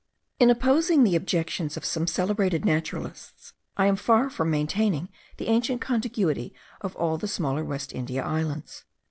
In opposing the objections of some celebrated naturalists, I am far from maintaining the ancient contiguity of all the smaller West India Islands.